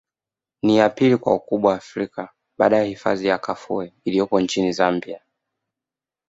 Ni ya pili kwa ukubwa Afrika baada ya hifadhi ya Kafue iliyopo nchini Zambia